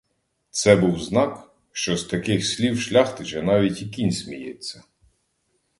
Це був знак, що з таких слів шляхтича навіть і кінь сміється.